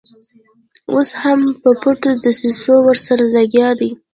اوس هم په پټو دسیسو ورسره لګیا دي.